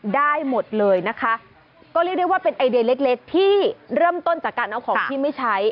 ได้หมดเลยนะคะก็เรียกได้ว่าเป็นไอเดียเล็กเล็กที่เริ่มต้นจากการเอาของที่ไม่ใช้